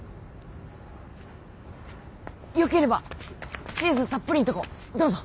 よければチーズたっぷりんとこどうぞ！